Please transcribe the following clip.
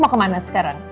mau kemana sekarang